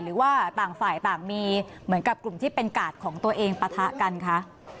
หรือว่าต่างฝ่ายต่างมีเหมือนกับกลุ่มที่เป็นกาดของตัวเองปะทะกันคะ